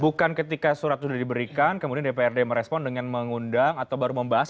bukan ketika surat sudah diberikan kemudian dprd merespon dengan mengundang atau baru membahas